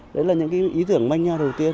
đấy là những ý tưởng manh nhau đầu tiên